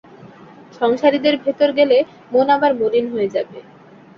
সংসারীদের ভেতর গেলে মন আবার মলিন হয়ে যাবে।